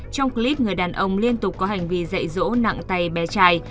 trong clip người đàn ông liên tục có hành vi dạy dỗ nặng tay bé trai